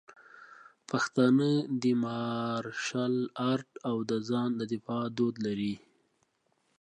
پښتانه د مارشل آرټ او د ځان د دفاع دود لري.